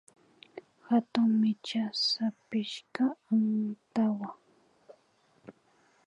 Hatun micha sapishka antawa